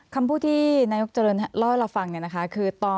คำพูดที่นายกเจริญเล่าให้เราฟังคือ